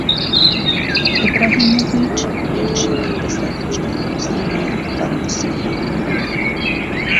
ئیبراهیمۆڤیچ هێرشی كرده سهر رۆژنامهونووسانی فهرهنسی